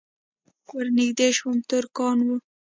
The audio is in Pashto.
ور نږدې شوم ترکان وو.